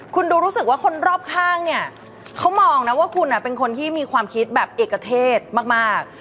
คุณดูรู้สึกว่าคนรอบข้างเนี่ยเขามองนะว่าคุณเป็นคนที่มีความคิดแบบเอกเทศมาก